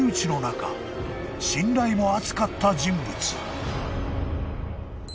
［信頼も厚かった人物］